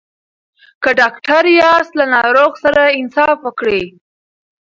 که ډاکټر یاست له ناروغ سره انصاف وکړئ.